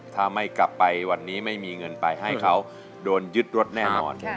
ถ้าไม่กลับไปวันนี้ไม่มีเงินไปให้เขาโดนยึดรถแน่นอน